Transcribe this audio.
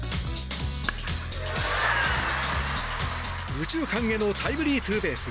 右中間へのタイムリーツーベース。